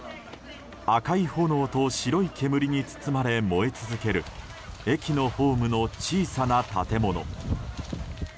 赤い炎と白い煙に包まれ燃え続ける駅のホームの小さな建物。